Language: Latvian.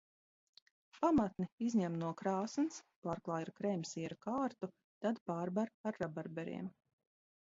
Pamatni izņem no krāsns, pārklāj ar krēmsiera kārtu, tad pārber ar rabarberiem.